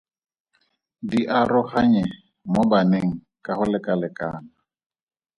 Di aroganye mo baneng ka go lekalekana.